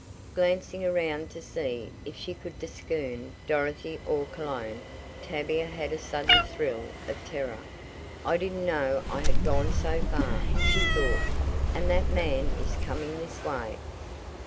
Glancing around to see if she could discern Dorothy or Cologne, Tavia had a sudden thrill of terror. "I didn't know I had gone so far," she thought, "and that man is coming this way."